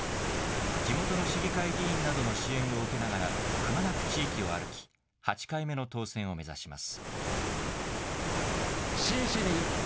地元の市議会議員などの支援を受けながら、くまなく地域を歩き、８回目の当選を目指します。